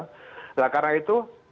nah karena itu